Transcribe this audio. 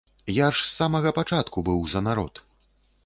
Я ж з самага пачатку быў за народ.